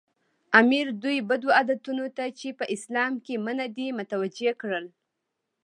امیر دوی بدو عادتونو ته چې په اسلام کې منع دي متوجه کړل.